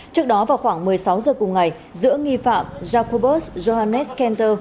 trước đó vào khoảng một mươi sáu giờ cùng ngày giữa nghi phạm jacobus johannes canter